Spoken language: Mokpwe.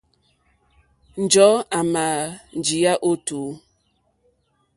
Njɔ̀ɔ́ àmà njíyá ó tùú.